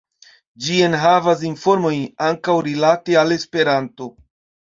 Ĝi enhavas informojn ankaŭ rilate al Esperanto.